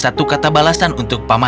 saya akan belongs di hotel perma